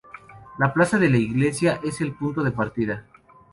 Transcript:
La plaza de la iglesia es el punto de partida.